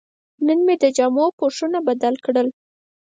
نن مې د جامو پوښونه بدل کړل.